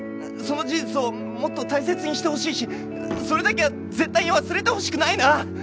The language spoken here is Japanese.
その事実をもっと大切にしてほしいしそれだけは絶対に忘れてほしくないなあ。